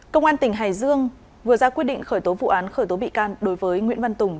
công an tỉnh hải dương vừa ra quyết định khởi tố vụ án khởi tố bị can đối với nguyễn văn tùng